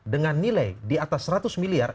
dengan nilai di atas seratus miliar